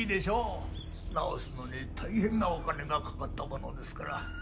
直すのに大変なお金がかかったものですから。